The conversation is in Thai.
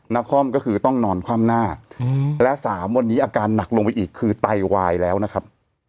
นครก็คือต้องนอนคว่ำหน้าและ๓วันนี้อาการหนักลงไปอีกคือไตวายแล้วนะครับ